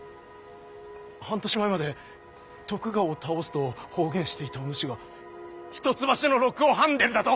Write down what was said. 半年前まで徳川を倒すと放言していたお主が一橋の禄を食んでるだと？